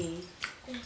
うん。